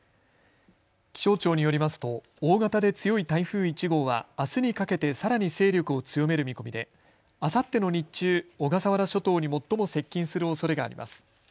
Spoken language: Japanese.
気象庁によりますと大型で強い台風１号はあすにかけてさらに勢力を強める見込みであさっての日中、小笠原諸島に最も接近するおそれがあります。